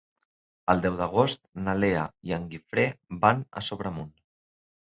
El deu d'agost na Lea i en Guifré van a Sobremunt.